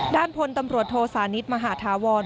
ด้านพลตำรวจโทสานิทมหาธาวร